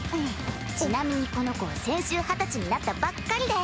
ちなみにこの子先週二十歳になったばっかりで。